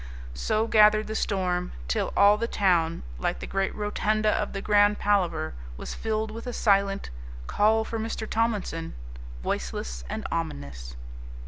So gathered the storm, till all the town, like the great rotunda of the Grand Palaver, was filled with a silent "call for Mr. Tomlinson," voiceless and ominous.